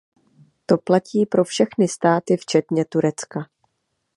To platí pro všechny státy včetně Turecka.